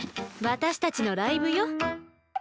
私たちのライブよ。